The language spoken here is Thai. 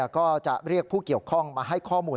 ก็จะเรียกผู้เกี่ยวข้องมาให้ข้อมูล